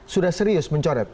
sudah serius mencoret